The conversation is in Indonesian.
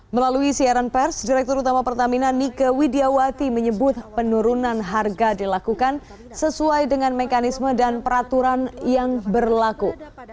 melalui siaran pers direktur utama pertamina nike widiawati menyebut penurunan harga dilakukan sesuai dengan mekanisme dan peraturan yang berlaku